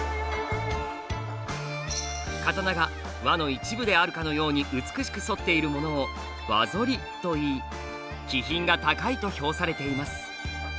刀が輪の一部であるかのように美しく反っているものを「輪反り」といい「気品が高い」と評されています。